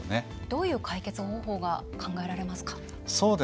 どういう解決方法が考えられますか？